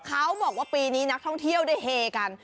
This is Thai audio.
เขาบอกว่าปีนี้นักท่องเที่ยวได้เฮกัน